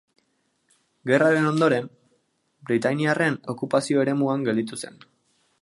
Gerraren ondoren britainiarren okupazio eremuan gelditu zen.